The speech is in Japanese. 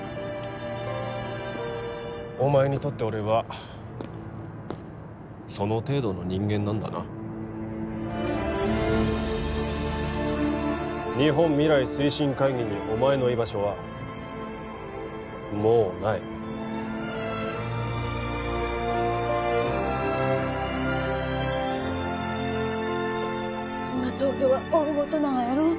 お前にとって俺はその程度の人間なんだな日本未来推進会議にお前の居場所はもうない今東京は大ごとながやろ？